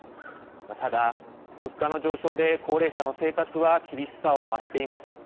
ただ、物価の上昇で高齢者の生活は厳しさを増しています。